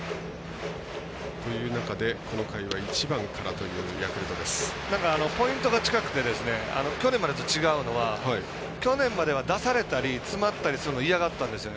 という中でこの回は１番からというポイントが近くて去年までと違うのは去年までは出されたり詰まったりするのを嫌がってたんですよね。